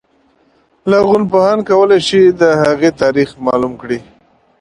لرغونپوهان کولای شي د هغې تاریخ معلوم کړي.